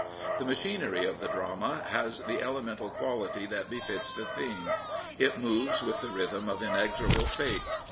The machinery of the drama has the elemental quality that befits the theme, jit moves with the rhythm of inexorable fate.